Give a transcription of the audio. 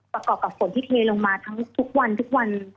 ประกอบกับฝนที่เทลงมาทั้งทุกวันทุกวัน